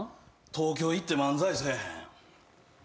東京行って漫才せえへん？